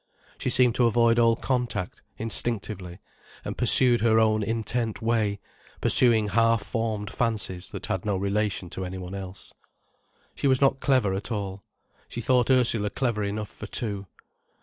She seemed to avoid all contact, instinctively, and pursued her own intent way, pursuing half formed fancies that had no relation to anyone else. She was not clever at all. She thought Ursula clever enough for two.